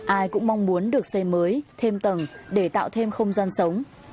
ai cũng mong muốn được xây mới thêm tầng để tạo thêm không gian sống